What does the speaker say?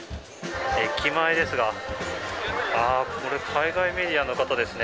駅前ですが、あぁ、これ、海外メディアの方ですね。